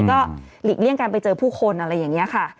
ก็หลีกเลี่ยงการไปเจอผู้คนอะไรอย่างนี้ค่ะ